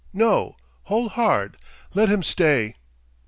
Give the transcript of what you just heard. No; hold hard; let him stay."